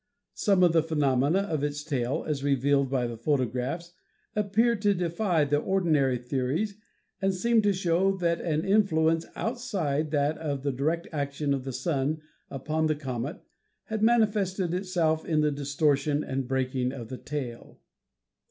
Some of the phe nomena of its tail, as revealed on the photographs, ap peared to defy the ordinary theories and seemed to show that an influence outside that of the direct action of the Sun upon the comet had manifested itself in the distortion and breaking of the tail.